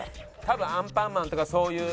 多分『アンパンマン』とかそういう。